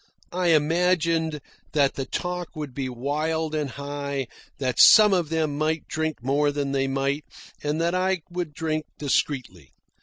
I imagined that the talk would be wild and high, that some of them might drink more than they ought, and that I would drink discreetly.